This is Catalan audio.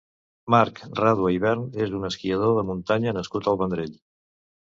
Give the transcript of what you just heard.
Marc Ràdua Ivern és un esquiador de muntanya nascut al Vendrell.